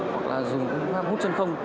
hoặc là dùng phương pháp hút chân không